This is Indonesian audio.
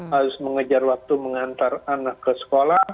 harus mengejar waktu mengantar anak ke sekolah